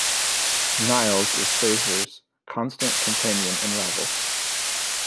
Niles is Frasier's constant companion and rival.